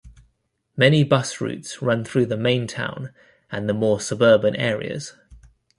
Many bus routes run through the main town and the more suburban areas.